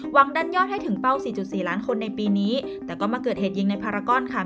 หวังดันยอดให้ถึงเป้า๔๔ล้านคนในปีนี้แต่ก็มาเกิดเหตุยิ่งในภารกรค่ะ